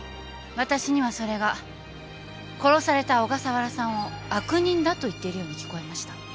私にはそれが殺された小笠原さんを悪人だと言っているように聞こえました。